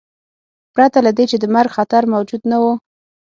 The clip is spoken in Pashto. پرته له دې چې د مرګ خطر موجود نه و.